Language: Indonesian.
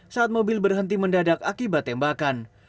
saat mobil berhenti mendadak akibat tembakan